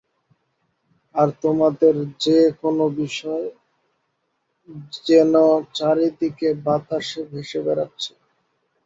আর তোমাদের যে কোন বিষয়, যেন চারিদিকে বাতাসে ভেসে বেড়াচ্ছে।